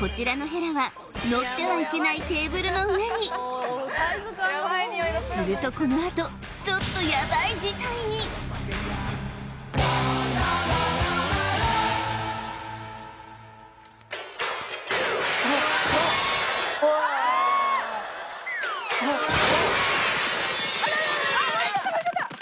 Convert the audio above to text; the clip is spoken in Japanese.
こちらのヘラは乗ってはいけないテーブルの上にするとこのあとちょっとヤバい事態にああ！